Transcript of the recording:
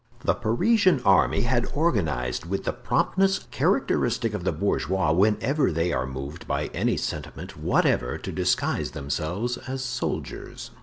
The Parisian army had organized with the promptness characteristic of the bourgeois whenever they are moved by any sentiment whatever to disguise themselves as soldiers.